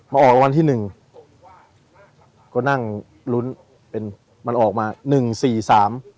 ออกรางวัลที่หนึ่งก็นั่งลุ้นเป็นมันออกมาหนึ่งสี่สาม